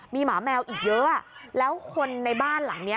มีหมาแมวอีกเยอะแล้วคนในบ้านหลังเนี้ย